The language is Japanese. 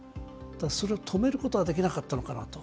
それを止めることはできなかったのかなと。